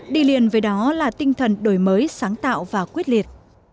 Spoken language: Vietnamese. đi liền với đó là tinh thần đổi mới sáng tạo và quyết liệt